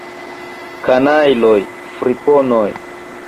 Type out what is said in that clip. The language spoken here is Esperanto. Kanajloj, friponoj!